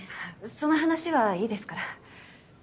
その話はいいですから。